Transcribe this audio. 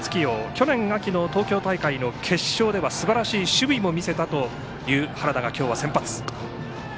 去年秋の東京大会の決勝ではすばらしい守備も見せたという原田が今日先発。